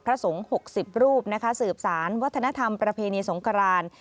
สงฆ์๖๐รูปนะคะสืบสารวัฒนธรรมประเพณีสงคราน